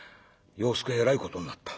「要助えらいことになった。